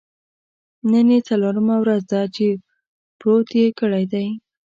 نن یې څلورمه ورځ ده چې پروت یې کړی دی.